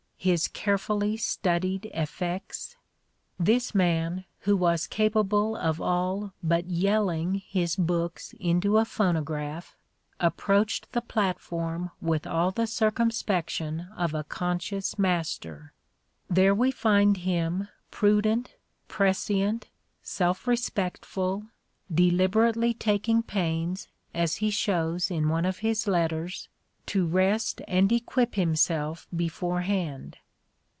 — "his carefully studied effects." This man, who was capable of all but "yelling" his books into a phonograph, approached the platform with all the cir cumspection of a conscious master: there we find him prudent, prescient, self respectful, deliberately taking pains, as he shows in one of his letters, to rest and equip himself beforehand.